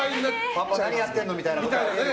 パパ何やってんの！みたいな。